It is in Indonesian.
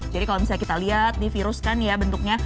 jadi kalau misalnya kita lihat nih virus kan ya bentuknya